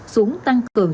xuống tăng cường